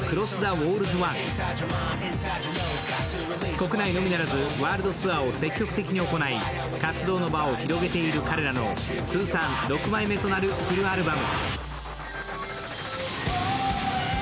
国内のみならずワールドツアーを積極的に行い活動の場を広げている彼らの通算６枚目となるフルアルバム。